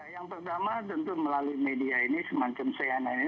yang pertama tentu melalui media ini semacam seana ini